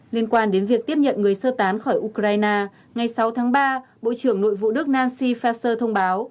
liên quan đến việc tiếp nhận người sơ tán khỏi ukraine ngày sáu tháng ba bộ trưởng nội vụ đức nancy faser thông báo